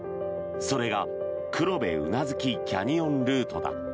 それが黒部宇奈月キャニオンルートだ。